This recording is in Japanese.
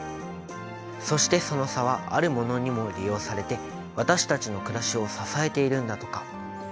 そしてその差はあるものにも利用されて私たちの暮らしを支えているんだとか。